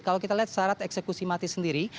kalau kita lihat syarat eksekusi mati sendiri